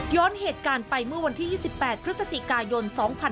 เหตุการณ์ไปเมื่อวันที่๒๘พฤศจิกายน๒๕๖๒